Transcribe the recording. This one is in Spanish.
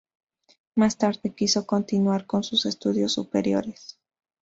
Más tarde quiso continuar con sus estudios superiores.